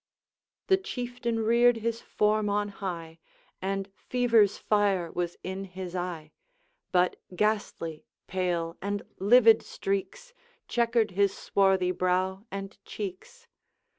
The Chieftain reared his form on high, And fever's fire was in his eye; But ghastly, pale, and livid streaks Checkered his swarthy brow and cheeks.